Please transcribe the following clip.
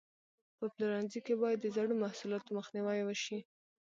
په پلورنځي کې باید د زړو محصولاتو مخنیوی وشي.